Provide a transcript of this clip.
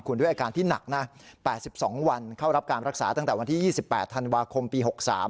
คุณด้วยอาการที่หนักนะ๘๒วันเข้ารับการรักษาตั้งแต่วันที่๒๘ธันวาคมปี๖๓